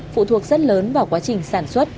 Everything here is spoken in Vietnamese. phụ thuộc rất lớn vào quá trình sản xuất